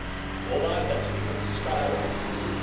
お前たちには力がある。